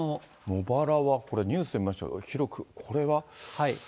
茂原はこれニュースで見ましたが、広く、これは？